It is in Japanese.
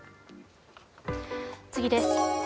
次です。